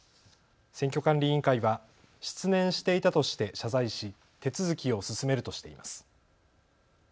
選挙管理委員会は失念していたとして謝罪し手続きを進めるとしています。